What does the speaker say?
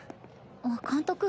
あっ監督。